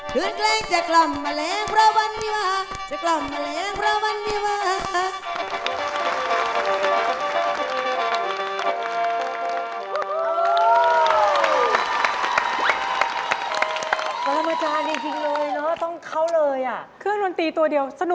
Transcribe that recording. คืนแกล้งจะกล่ำแมลงประวัณิวะ